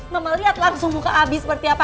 mama lihat langsung suka abi seperti apa